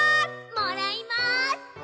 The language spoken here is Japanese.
もらいます！